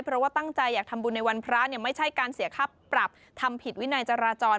เพราะว่าตั้งใจอยากทำบุญในวันพระเนี่ยไม่ใช่การเสียค่าปรับทำผิดวินัยจราจร